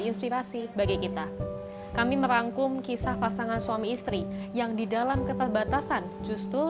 inspirasi bagi kita kami merangkum kisah pasangan suami istri yang di dalam keterbatasan justru